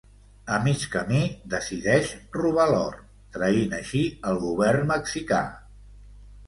A mig camí, decideix robar l'or, traint així el govern mexicà.